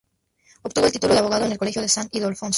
Obtuvo el título de abogado en el Colegio de San Ildefonso.